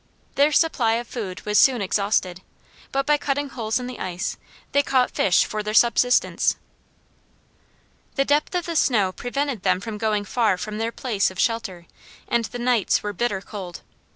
Their supply of food was soon exhausted, but by cutting holes in the ice they caught fish for their subsistence. The depth of the snow prevented them from going far from their place of shelter, and the nights were bitter cold.